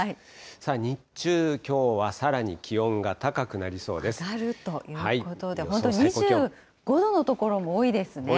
さあ、日中、きょうはさらに気温上がるということで、本当、多いですね。